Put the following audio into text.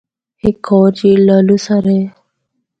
ہک ہور جھیل ’لولوسر‘ اے۔